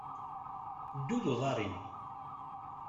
Ddu d uḍaṛ-im!